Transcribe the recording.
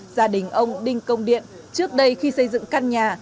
gia đình ông đinh công điện trước đây khi xây dựng căn nhà